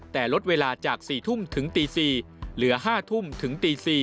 แต่ลดเวลาจาก๔๔นโจทย์เหลือ๕๔น